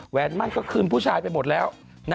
แวนมั่นก็คืนผู้ชายไปหมดแล้ว